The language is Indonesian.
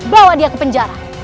bawa dia ke penjara